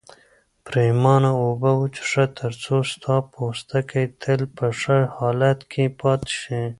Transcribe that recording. پرېمانه اوبه وڅښه ترڅو ستا پوستکی تل په ښه حالت کې پاتې شي.